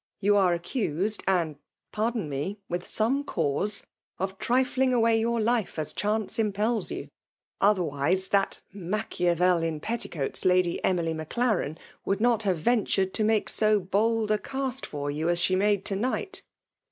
You are accused, and (pardon me) with some cause, of trifling away your life as chance impek you. Otherwise, that Machiavel in petticoats. Lady Emily Maclarcn, would not have ventured to make so bold a cast for you as she made to night.